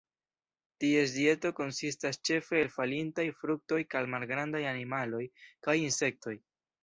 Ties dieto konsistas ĉefe el falintaj fruktoj kaj malgrandaj animaloj, kaj insektoj.